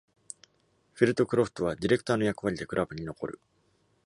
Flitcroft はディレクターの役割でクラブに残る。